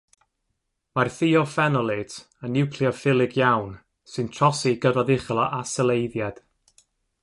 Mae'r thiophenolate yn niwcleoffilig iawn, sy'n trosi i gyfradd uchel o asyleiddiad.